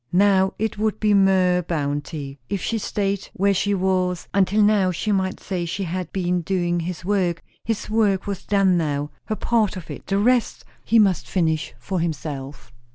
Now it would be mere bounty, if she stayed where she was; until now she might say she had been doing his work. His work was done now, her part of it; the rest he must finish for himself.